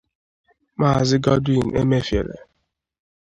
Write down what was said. Maazị Godwin Emefiele